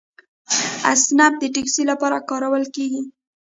اسنپ د ټکسي لپاره کارول کیږي.